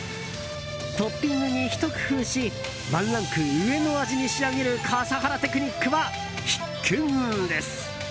トッピングにひと工夫しワンランク上の味に仕上げる笠原テクニックは必見です。